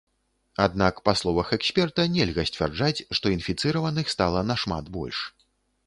Аднак, па словах эксперта, нельга сцвярджаць, што інфіцыраваных стала нашмат больш.